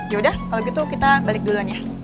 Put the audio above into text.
yaudah kalau gitu kita balik duluannya